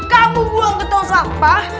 kamu buang ketong sampah